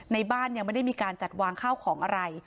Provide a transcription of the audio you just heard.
ในบ้านยังไม่ได้มีการจัดวางข้าวของอะไร